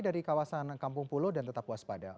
dari kawasan kampung pulo dan tetap waspada